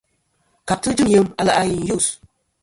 Kabtɨ jɨm yem a lè' a i yus.